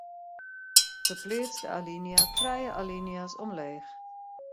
Ferpleats de alinea trije alinea's omleech.